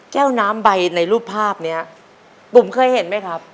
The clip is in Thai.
แก้วน้ำใบในรูปภาพเนี้ยบุ๋มเคยเห็นไหมครับ